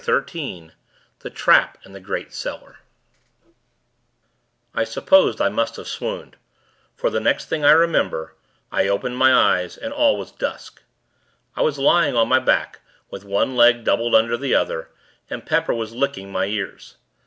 XIII THE TRAP IN THE GREAT CELLAR I suppose I must have swooned; for, the next thing I remember, I opened my eyes, and all was dusk. I was lying on my back, with one leg doubled under the other, and Pepper was licking my ears.